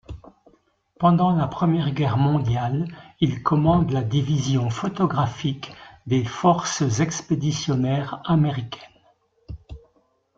Pendant la Première Guerre mondiale, il commande la division photographique des forces expéditionnaires américaines.